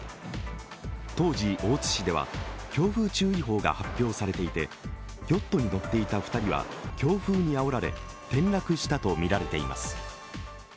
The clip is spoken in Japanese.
当時、大津市では強風注意報が発表されていて、ヨットに乗っていた２人は、強風にあおられ転落したとみられています。